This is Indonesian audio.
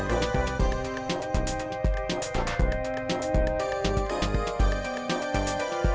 aku cuma mau balik ke sana